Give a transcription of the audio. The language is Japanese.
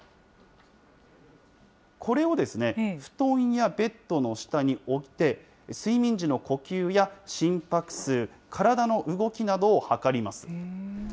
これを布団やベッドの下に置いて、睡眠時の呼吸や心拍数、体の動きなどを測ります。